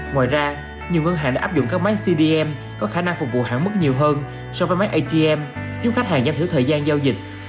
ngoài ra nhiều ngân hàng đã áp dụng các máy cdm có khả năng phục vụ hạn mức nhiều hơn so với máy atm giúp khách hàng giảm thiểu thời gian giao dịch